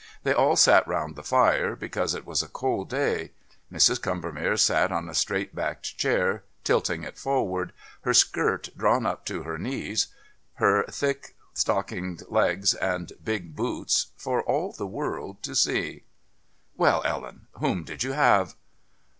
They all sat round the fire, because it was a cold day. Mrs. Combermere sat on a straight backed chair, tilting it forward, her skirt drawn up to her knees, lier thick stockinged legs and big boots for all the world to see. "Well, Ellen, whom did you have?"